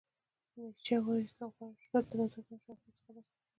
نیچه وایې، که غواړئ شهرت ترلاسه کړئ نو د شرافت څخه لاس واخلئ!